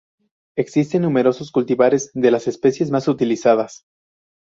Existen numerosos cultivares de las especies más utilizadas.